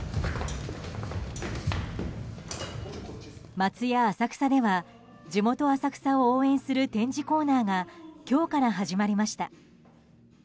松屋浅草では地元・浅草を応援する展示コーナーが今日から始まりました。